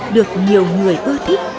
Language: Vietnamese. được nhiều người ưu thích